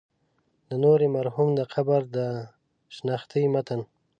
د نوري مرحوم د قبر د شنختې متن.